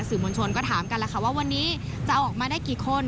สื่อมวลชนก็ถามกันแล้วค่ะว่าวันนี้จะออกมาได้กี่คน